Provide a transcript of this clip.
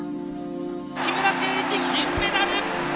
木村敬一銀メダル！